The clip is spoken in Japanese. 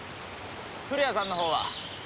古谷さんの方は？